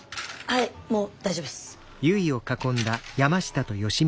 はいもう大丈夫っす。